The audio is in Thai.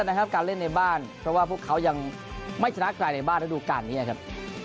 ทุกนั้นแหละนะครับการเล่นในบ้านเพราะว่าพวกเขายังไม่ชนะกลายในบ้านดูการเนี้ยครับ